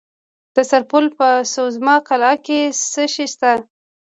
د سرپل په سوزمه قلعه کې څه شی شته؟